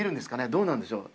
どうなんでしょう？